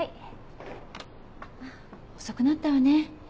遅くなったわね